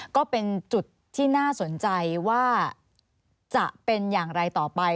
ก็เป็นจุดที่น่าสนใจว่าจะเป็นอย่างไรต่อไป